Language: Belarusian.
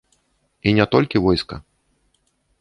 І не толькі войска.